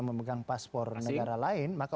memegang paspor negara lain maka